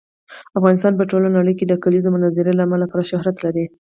افغانستان په ټوله نړۍ کې د کلیزو منظره له امله پوره شهرت لري.